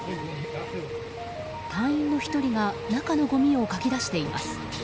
隊員の１人が、中のごみをかき出しています。